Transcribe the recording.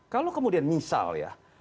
kalau kemudian misal ya